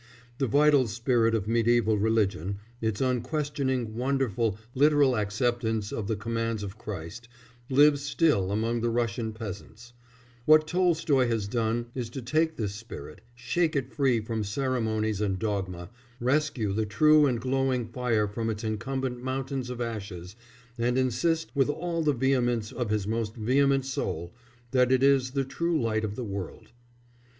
The vital spirit of mediæval religion, its unquestioning, wonderful, literal acceptance of the commands of Christ, lives still among the Russian peasants; what Tolstoy has done is to take this spirit, shake it free from ceremonies and dogma, rescue the true and glowing fire from its incumbent mountains of ashes, and insist, with all the vehemence of his most vehement soul, that it is the true light of the world.